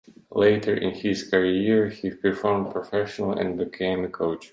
Later in his career, he performed professionally and became a coach.